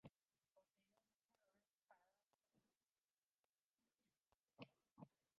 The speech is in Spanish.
Posteriormente, Roberto Parada pondría la voz de los relatos históricos de la cantata.